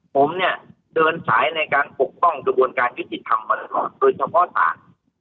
ผมเนี่ยเดินสายในการปกป้องกระบวนการยุติธรรมมาตลอดโดยเฉพาะศาล